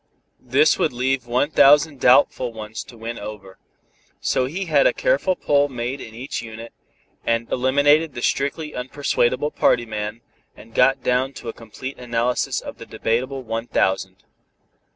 This would leave one thousand doubtful ones to win over. So he had a careful poll made in each unit, and eliminated the strictly unpersuadable party men, and got down to a complete analysis of the debatable one thousand.